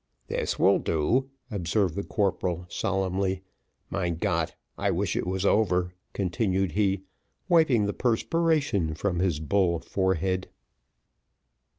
"This will do," observed the corporal solemnly. "Mein Gott! I wish it was over," continued he, wiping the perspiration from his bull forehead.